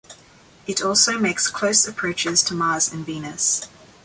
It also makes close approaches to Mars and Venus.